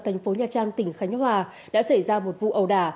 thành phố nhà trang tỉnh khánh hòa đã xảy ra một vụ ầu đà